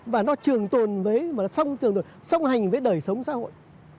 và nó trường tồn với nó sông hành với đời sống xã hội